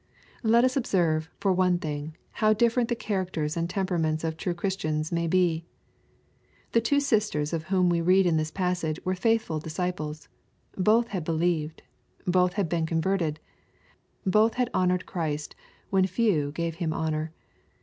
Let us observe, for one thing, how different the char^ acters and temperaments of true Christians may be. The two sisters of whom we read in this passage were faith* ful disciples. Both had believed. Both had been con« verted. Both had honored Christ when few gave Him honor.